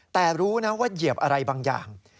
แต่รู้นะว่าเหยียบอะไรบางอย่าง